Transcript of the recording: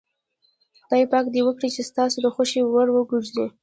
خدای پاک دې وکړي چې ستاسو د خوښې وړ وګرځي.